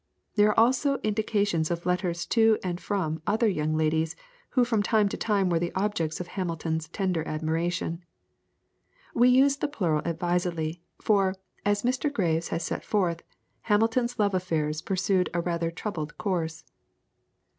There are also indications of letters to and from other young ladies who from time to time were the objects of Hamilton's tender admiration. We use the plural advisedly, for, as Mr. Graves has set forth, Hamilton's love affairs pursued a rather troubled course.